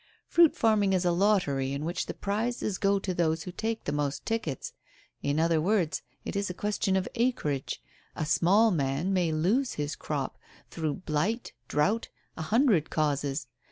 Fruit farming is a lottery in which the prizes go to those who take the most tickets. In other words, it is a question of acreage. A small man may lose his crop through blight, drought, a hundred causes.